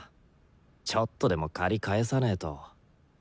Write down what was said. ちょっとでも借り返さねと。